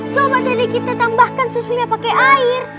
coba tadi kita tambahkan susunya pakai air